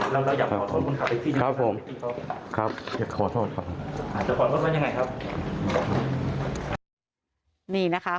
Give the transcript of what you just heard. แล้วเราอยากขอโทษคุณค่ะไปที่นั่น